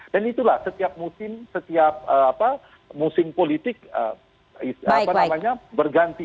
dan itulah setiap musim politik berganti